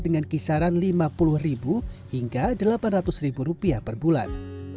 dengan kisaran lima puluh hingga rp delapan ratus per bulan